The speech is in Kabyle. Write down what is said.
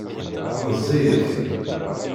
Meẓẓiyit.